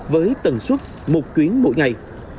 với tần suất một chuyến mỗi ngày